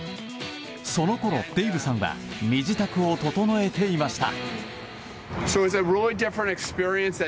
そのころ、デイブさんは身支度を整えていました。